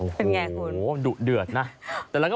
ทิ้งมูลเยอะเลย